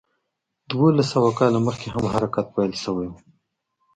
دولس سوه کاله مخکې هم حرکت پیل شوی و.